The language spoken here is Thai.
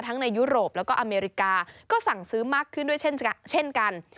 ในยุโรปแล้วก็อเมริกาก็สั่งซื้อมากขึ้นด้วยเช่นกัน